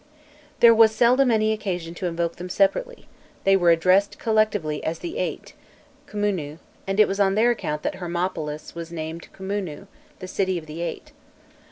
There was seldom any occasion to invoke them separately; they were addressed collectively as the Eight Khmûnû and it was on their account that Hermopolis was named Khmûnû, the City of the Eight.